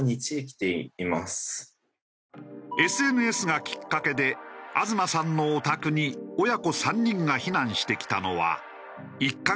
ＳＮＳがきっかけで東さんのお宅に親子３人が避難してきたのは１カ月ほど前。